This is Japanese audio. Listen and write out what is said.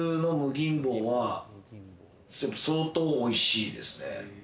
吟坊は相当おいしいですね。